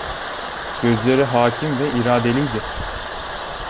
Gözleri hâkim ve iradeliydi.